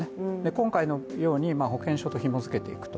今回のように保険証とひも付けていくと。